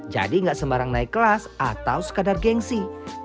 jadi nggak sembarang naik kelas atau sekadar gengsi